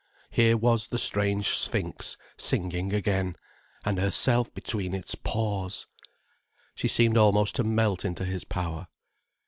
Here was the strange sphinx singing again, and herself between its paws! She seemed almost to melt into his power.